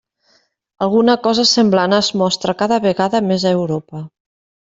Alguna cosa semblant es mostra cada vegada més a Europa.